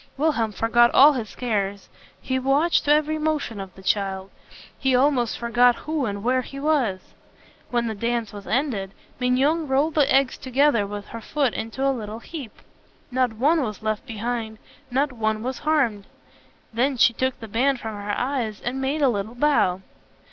Wilhelm forgot all his cares. He watched every motion of the child. He almost forgot who and where he was. When the dance was ended, Mignon rolled the eggs together with her foot into a little heap. Not one was left behind, not one was harmed. Then she took the band from her eyes, and made a little bow.